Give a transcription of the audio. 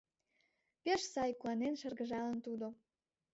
— Пеш сай! — куанен шыргыжалын тудо.